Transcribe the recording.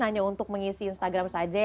hanya untuk mengisi instagram saja